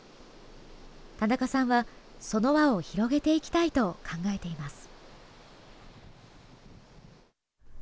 田中さんは、その輪を広げていきたいと考えています。